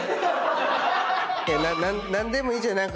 何でもいいじゃん。